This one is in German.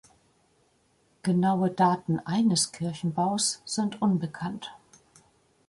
Genaue Daten eines Kirchenbaus sind unbekannt.